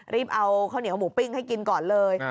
รีบเอาข้าวเหนียวหมูปิ้งให้กินก่อนเลย